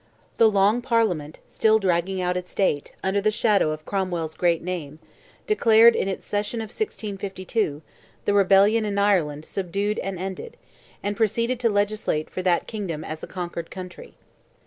The Long Parliament, still dragging out its date, under the shadow of Cromwell's great name, declared in its session of 1652, the rebellion in Ireland "subdued and ended," and proceeded to legislate for that kingdom as a conquered country.